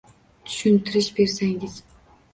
Tushuntirish bersangiz.